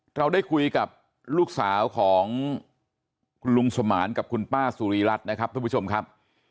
เราได้คุยกับลูกสาวของคุณลุงสมานกับคุณป้าสุริรัตน์นะครับทุกผู้ชมครับ